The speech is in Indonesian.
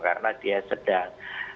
karena dia sesak